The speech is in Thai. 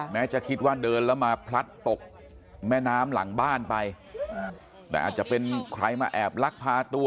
จะคิดว่าเดินแล้วมาพลัดตกแม่น้ำหลังบ้านไปแต่อาจจะเป็นใครมาแอบลักพาตัว